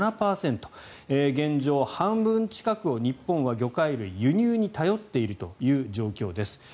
現状、半分近くを日本は魚介類輸入に頼っている状況です。